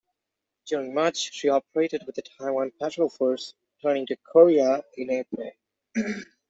During March she operated with the Taiwan Patrol Force, returning to Korea in April.